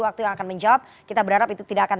waktu yang akan menjawab kita berharap itu tidak akan